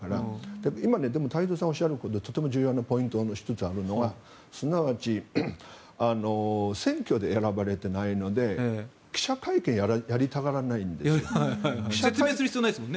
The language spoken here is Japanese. でも今、太蔵さんがおっしゃることとても重要なポイントであるのがすなわち選挙で選ばれていないので記者会見をやりたがらないんです。説明する必要がないですもんね。